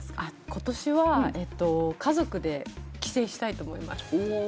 今年は家族で帰省したいと思います。